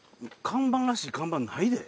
看板らしい看板ないで。